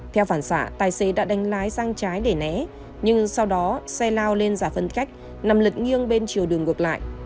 theo phản xạ tài xế đã đánh lái sang trái để né nhưng sau đó xe lao lên giải phân cách nằm lật nghiêng bên chiều đường ngược lại